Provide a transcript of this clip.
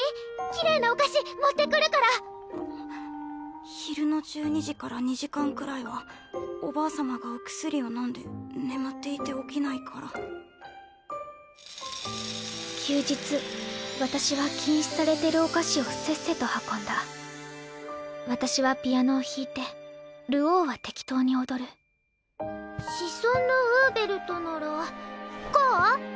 きれいなお菓子持ってくるからんっ昼の１２時から２時間くらいはおばあ様がお薬をのんで眠っていて起きないから休日私は禁止されてるお菓子をせっせと運んだ私はピアノを弾いて流鶯は適当に踊るシソンヌ・ウーベルトならこう？